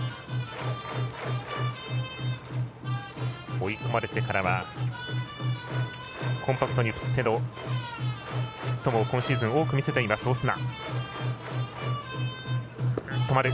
追い込まれてからはコンパクトに振ってのヒットも今シーズン多く見せていますオスナ。